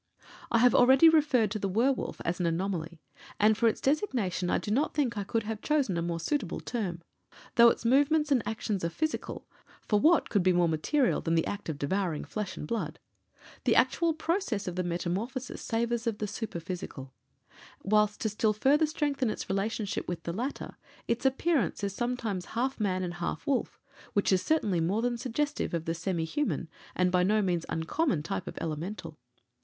I have already referred to the werwolf as an anomaly, and for its designation I do not think I could have chosen a more suitable term. Though its movements and actions are physical for what could be more material than the act of devouring flesh and blood? the actual process of the metamorphosis savours of the superphysical; whilst to still further strengthen its relationship with the latter, its appearance is sometimes half man and half wolf, which is certainly more than suggestive of the semi human and by no means uncommon type of Elemental.